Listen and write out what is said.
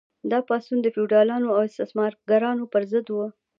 دا پاڅون د فیوډالانو او استثمارګرانو پر ضد و.